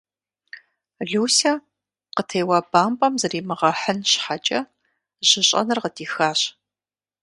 Лусэ, къытеуа бампӀэм зримыгъэхьын щхьэкӀэ, жьыщӀэныр къыдихащ.